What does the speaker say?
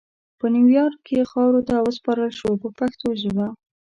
په نیویارک کې خاورو ته وسپارل شو په پښتو ژبه.